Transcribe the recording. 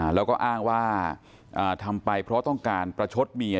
แล้วก็อ้างว่าทำไปเพราะต้องการประชดเมีย